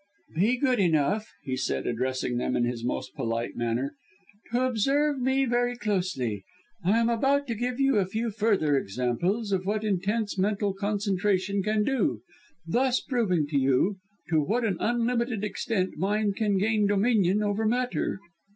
"Be good enough," he said addressing them in his most polite manner, "to observe me very closely. I am about to give you a few further examples of what intense mental concentration can do, thus proving to you to what an unlimited extent mind can gain dominion over matter.